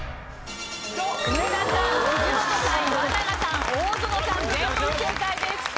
植田さん藤本さん岩永さん大園さん全問正解です。